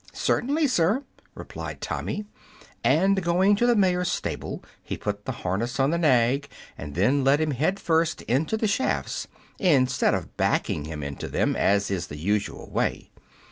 "Certainly, sir," replied Tommy; and going to the mayor's stable he put the harness on the nag and then led him head first into the shafts, instead of backing him into them, as is the usual way.